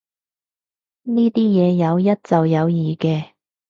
呢啲嘢有一就有二嘅